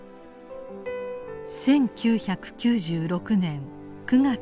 １９９６年９月２９日。